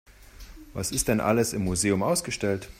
Was ist denn alles im Museum ausgestellt?